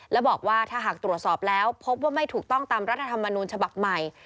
และบอกว่าถ้าหากตรวจสอบแล้วพบว่าไม่ถูกต้องตามรัฐธรรมนูญฉบับใหม่